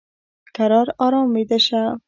کرار ارام ویده شه !